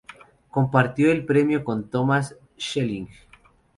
Compartió el premio con Thomas Schelling.